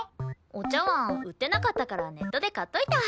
お茶わん売ってなかったからネットで買っといた。